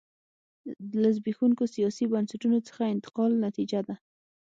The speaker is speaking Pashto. له زبېښونکو سیاسي بنسټونو څخه انتقال نتیجه ده.